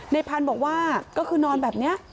พันธุ์บอกว่าก็คือนอนแบบนี้